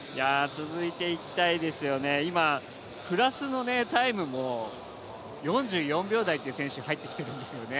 続いていきたいですよね、今プラスのタイムも４４秒台という選手が入ってきているんですよね。